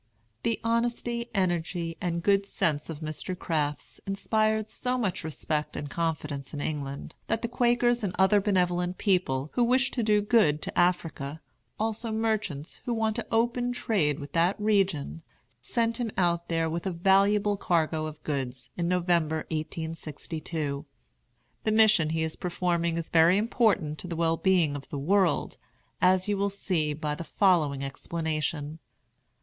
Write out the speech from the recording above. The honesty, energy, and good sense of Mr. Crafts inspired so much respect and confidence in England, that the Quakers and other benevolent people, who wish to do good to Africa, also merchants, who want to open trade with that region, sent him out there with a valuable cargo of goods, in November, 1862. The mission he is performing is very important to the well being of the world, as you will see by the following explanation.